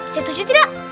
saya tuju tidak